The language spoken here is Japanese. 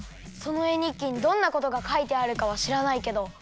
そのえにっきにどんなことがかいてあるかはしらないけど